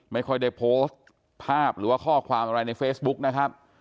ไม่ค่อยได้โพสต์ภาพหรือว่าข้อความอะไรในเฟซบุ๊กนะครับ